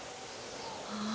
ああ。